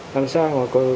làm sao mà có